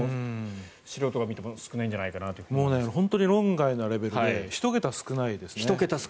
素人が見ても少ないんじゃないかなと本当に論外なレベルで１桁少ないですね。